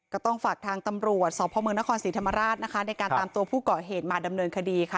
ก็ต้องฝากทางตำรวจสพเมืองนครศรีธรรมราชนะคะในการตามตัวผู้ก่อเหตุมาดำเนินคดีค่ะ